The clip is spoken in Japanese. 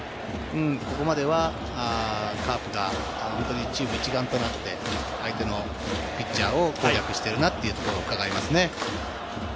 ここまではカープが本当にチーム一丸となって、相手のピッチャーを攻略してるなということがうかがえますね。